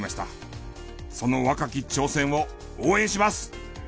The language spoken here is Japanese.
その若き挑戦を応援します！